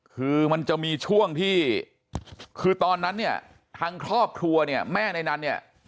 คือมันจะมีช่วงที่คือตอนนั้นเนี่ยทางครอบครัวเนี่ยแม่ในนั้นเนี่ย